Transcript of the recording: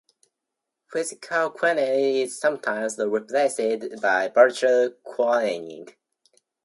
Physical queueing is sometimes replaced by virtual queueing.